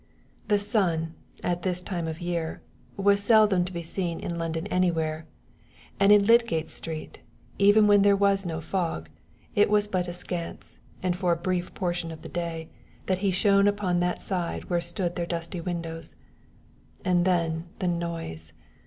The sun, at this time of the year, was seldom to be seen in London anywhere; and in Lydgate Street, even when there was no fog, it was but askance, and for a brief portion of the day, that he shone upon that side where stood their dusty windows. And then the noise!